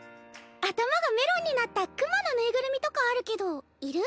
頭がメロンになった熊の縫いぐるみとかあるけどいる？